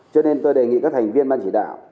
cho nên tôi đề nghị các thành viên ban chỉ đạo